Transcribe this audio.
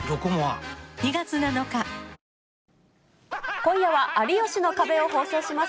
今夜は有吉の壁を放送します。